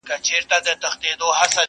چي زاغان مي خوري ګلشن او غوټۍ ورو ورو!.